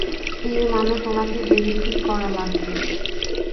এর মানে তোমাকে বেবিসিট করা লাগবে।